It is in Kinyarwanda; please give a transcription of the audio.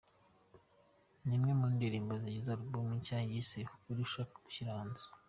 Ni imwe mu ndirimbo zigize album nshya yise ‘Ukuri’ ashaka gushyira hanze.